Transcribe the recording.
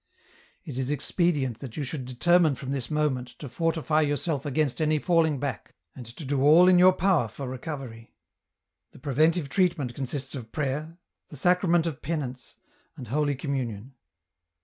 "It is expedient that you should determine from this moment to fortify yourself against any falling back, and to do all in your power for recovery. The preventive treatment consists of prayer, the sacrament of penance, and holy communion.